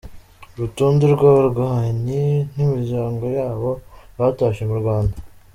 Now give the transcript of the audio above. Urutonde rw’abarwanyi n’imiryango ybao batashye mu Rwanda.